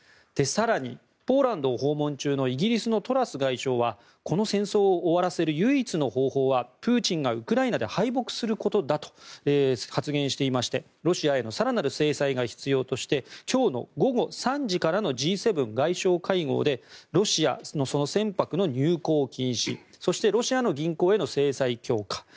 更に、ポーランドを訪問中のイギリスのトラス外相はこの戦争を終わらせる唯一の方法はプーチンがウクライナで敗北することだと発言していましてロシアへの更なる制裁が必要として今日の午後３時からのＧ７外相会合でロシアの船舶の入港禁止そしてロシアの銀行への制裁強化